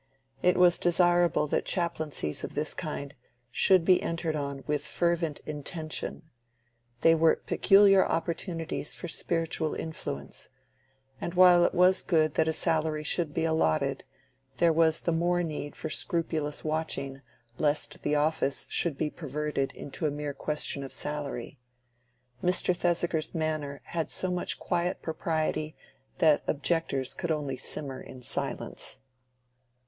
It was desirable that chaplaincies of this kind should be entered on with a fervent intention: they were peculiar opportunities for spiritual influence; and while it was good that a salary should be allotted, there was the more need for scrupulous watching lest the office should be perverted into a mere question of salary. Mr. Thesiger's manner had so much quiet propriety that objectors could only simmer in silence.